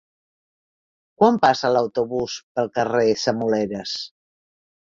Quan passa l'autobús pel carrer Semoleres?